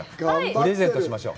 プレゼントしましょう